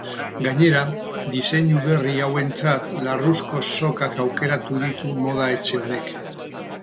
Gainera, diseinu berri hauentzat larruzko sokak aukeratu ditu moda etxe honek.